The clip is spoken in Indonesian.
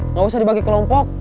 nggak usah dibagi kelompok